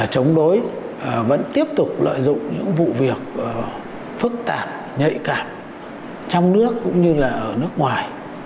chống đối vẫn tiếp tục lợi dụng những vụ việc phức tạp nhạy cảm trong nước cũng như là ở nước ngoài